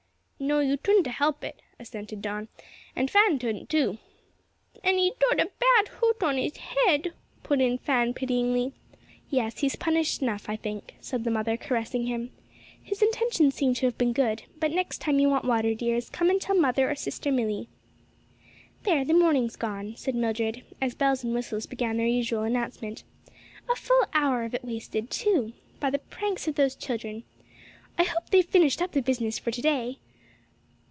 "No, you touldna help it," assented Don. "And Fan touldn't too." "And he's dot a bad hurt on his head," put in Fan pityingly. "Yes, he's punished enough, I think," said the mother, caressing him; "his intentions seem to have been good; but next time you want water, dears, come and tell mother or sister Milly." "There, the morning's gone," said Mildred, as bells and whistles began their usual announcement; "a full hour of it wasted, too, by the pranks of those children. I hope they've finished up the business for to day!"